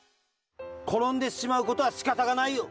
ころんでしまうことはしかたがないよ。